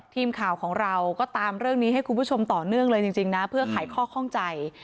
ทีมข่าวของเราก็ตามเรื่องนี้ให้คุณผู้ชมต่อเนื่องเลยจริงนะเพื่อขายข้อข้องใจ